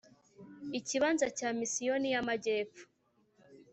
Ikibanza cya Misiyoni y Amajyepfo